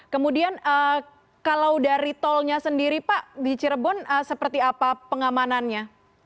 kemudian kalau dari tolnya sendiri pak di cirebon seperti apa pengamanannya